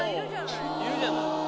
いるじゃない！